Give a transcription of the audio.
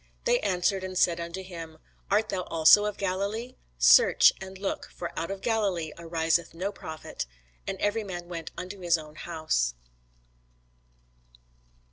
They answered and said unto him, Art thou also of Galilee? Search, and look: for out of Galilee ariseth no prophet. And every man went unto his own house.